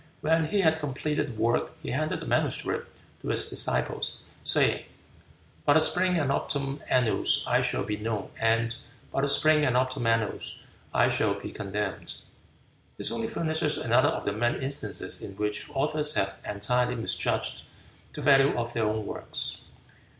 When he had completed the work, he handed the manuscript to his disciples, saying, "By the Spring and Autumn Annals I shall be known, and by the Spring and Autumn Annals I shall be condemned." This only furnishes another of the many instances in which authors have entirely misjudged the value of their own works.